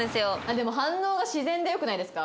でも反応が自然でよくないですか？